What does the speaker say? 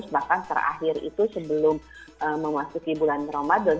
bahkan terakhir itu sebelum memasuki bulan ramadan